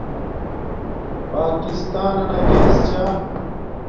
پاکستانانا گیس چھا